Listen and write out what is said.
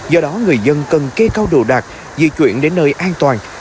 do đó người dân cần kê cao đồ đạc di chuyển đến nơi an toàn